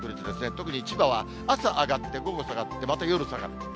特に千葉は朝上がって、午後上がって、また夜下がる。